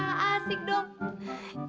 ah antik dong